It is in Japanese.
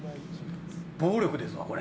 暴力ですね、これ。